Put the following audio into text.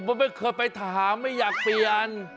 ผมไม่เคยไปถามไม่อยากเปลี่ยน